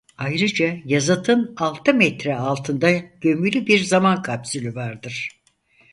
Ayrıca yazıtın altı metre altında gömülü bir Zaman Kapsülü vardır.